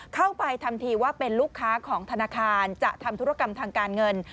เข้าไปทำทีว่าเป็นลูกค้าของธนาคารจะทำธุรกรรมทางการเงิน